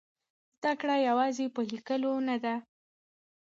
زده کړه یوازې په لیکلو نه ده.